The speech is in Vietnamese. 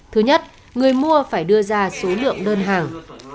thứ nhất người mua phải đưa ra số lượng đơn hàng